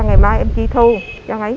cho quá trình phá án